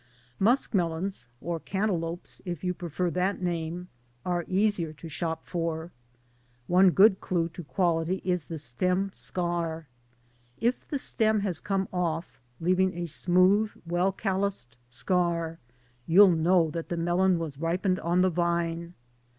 skmelons or cantaloupes, if you prefer that name are easier to shop for. One good clue to quality is the stem scar. If the stem has come off leaving a smooth, well calloused scar, you'll know that the melon was ripened on the vine.